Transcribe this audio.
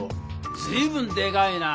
ずいぶんでかいな！